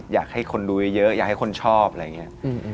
อยากให้คนดูเยอะอยากให้คนชอบอะไรอย่างนี้